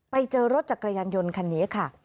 ไปเจอรถจักรยานยนต์คันนี้ค่ะ